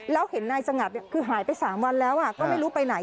แล้วเห็นนายสงัตริย์นี่คือหายไป๓วันแล้วอ่ะก็ไม่รู้ไปไหน